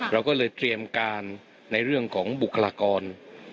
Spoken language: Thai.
เราก็เลยเตรียมการในเรื่องของบุคลากร